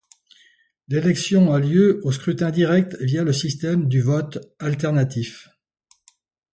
L'élection a lieu au scrutin direct via le système du vote alternatif.